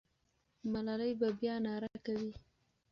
ملالۍ به بیا ناره کوي.